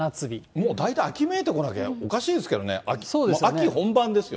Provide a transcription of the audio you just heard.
もう大体秋めいてこなきゃおかしいですけどね、秋本番ですよ